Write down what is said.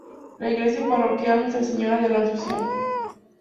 La iglesia parroquial Nuestra Señora de la Asunción.